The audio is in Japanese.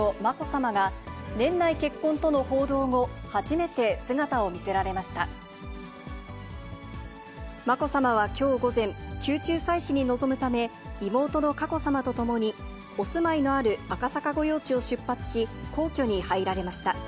まこさまはきょう午前、宮中祭祀に臨むため、妹の佳子さまと共に、お住まいのある赤坂御用地を出発し、皇居に入られました。